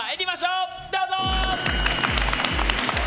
どうぞ！